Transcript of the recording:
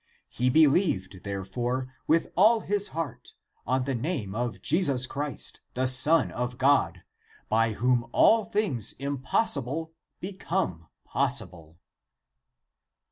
He believed therefore, with all his heart on the name of Jesus Christ, the Son of God, by whom all things impossible become possible.